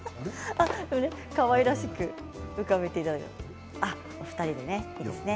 かわいらしく浮かべていただいてお二人でいいですね。